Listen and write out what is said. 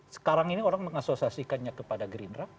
sekarang ini orang mengasosiasikannya kepada gerindra